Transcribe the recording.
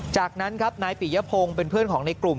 จากนั้นครับนายปิยพงศ์เป็นเพื่อนของในกลุ่ม